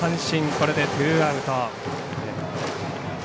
これでツーアウト。